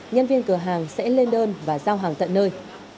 nhân viên cửa hàng sẽ lên đơn và giao hàng tận nơi